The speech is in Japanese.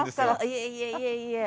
いえいえいえいえ。